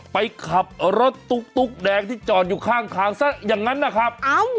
ไปขับรถตุ๊กแดงที่จอดอยู่ข้างทางซะอย่างนั้นนะครับ